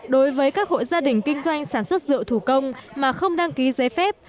đối với các hộ gia đình kinh doanh sản xuất rượu thủ công mà không đăng ký giấy phép